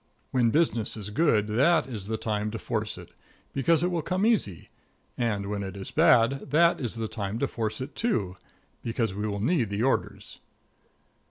When business is good, that is the time to force it, because it will come easy; and when it is bad, that is the time to force it, too, because we will need the orders.